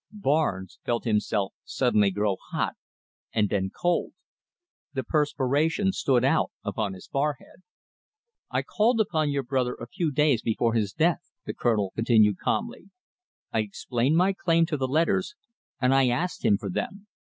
Barnes felt himself suddenly grow hot and then cold. The perspiration stood out upon his forehead. "I called upon your brother a few days before his death," the Colonel continued calmly. "I explained my claim to the letters and I asked him for them.